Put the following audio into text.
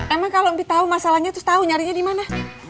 emang kalo mp tau masalahnya terus tau nyarinya dimana